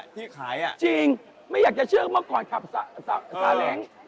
ที่ขายอ่ะจริงไม่อยากเชื่อเมื่อก่อนรถกลับสาแหลง